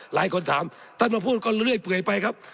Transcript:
หลายคนถามท่านมาพูดก็เรื่อยเปื่อยไปครับ